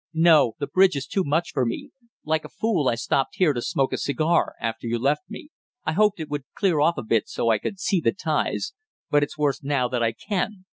"No, the bridge is too much for me. Like a fool I stopped here to smoke a cigar after you left me; I hoped it would clear off a bit so I could see the ties, but it's worse now that I can.